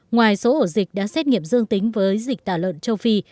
ngoài số ổ dịch đã xét nghiệm dương tính với dịch tả lợn châu phi